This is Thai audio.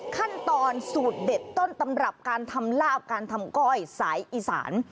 ขั้นตอนสูตรเด็ดต้นตำรับการทำลาบการทำก้อยสายอีสาน